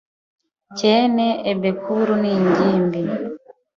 cyene ebekuru n’ingimbi.